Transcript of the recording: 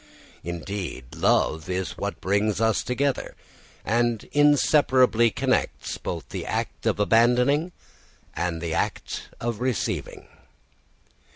Indeed, love is what brings together and inseparably connects both the act of abandoning and that of receiving.